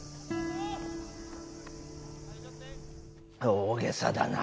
大げさだな。